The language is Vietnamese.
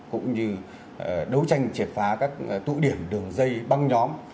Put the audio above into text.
cũng như đấu tranh triệt phá các tụ điểm đường dây băng nhóm